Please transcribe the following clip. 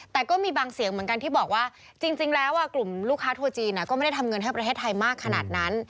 แต่ก็มีบางเสียงเหมือนกันที่บอกว่าจริงแล้วกลุ่มลูกค้าทัวร์จีนก็ไม่ได้ทำเงินให้ประเทศไทยมากขนาดนั้น